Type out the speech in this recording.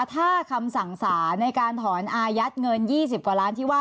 ถ้าคำสั่งสารในการถอนอายัดเงิน๒๐กว่าล้านที่ว่า